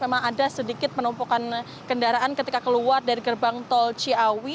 memang ada sedikit penumpukan kendaraan ketika keluar dari gerbang tol ciawi